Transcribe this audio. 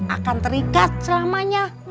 akan terikat selamanya